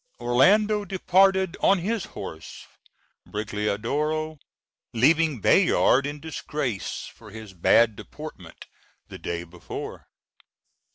Orlando departed on his horse Brigliadoro, leaving Bayard in disgrace for his bad deportment the day before.